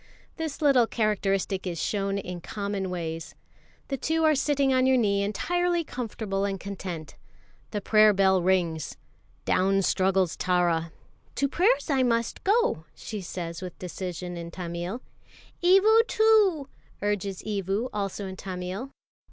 This little characteristic is shown in common ways. The two are sitting on your knee entirely comfortable and content. The prayer bell rings. Down struggles Tara. "To prayers I must go!" she says with decision in Tamil. "Evu too," urges Evu, also in Tamil.